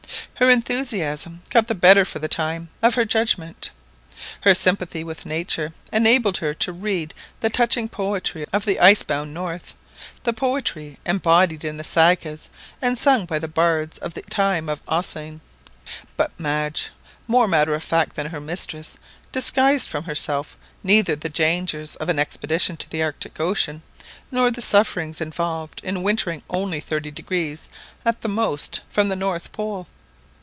Her enthusiasm got the better for the time of her judgment. Her sympathy with nature enabled her to read the touching poetry of the ice bound north the poetry embodied in the Sagas, and sung by the bards of the time of Ossian. But Madge, more matter of fact than her mistress, disguised from herself neither the dangers of an expedition to the Arctic Ocean, nor the sufferings involved in wintering only thirty degrees at the most from the North Pole.